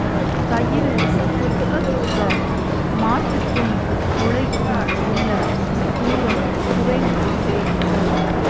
கயிறு சுற்றச் சுற்ற மாட்டுக்கும் முளைக்கும் உள்ள தூரம் குறைந்து கொண்டே வரும்.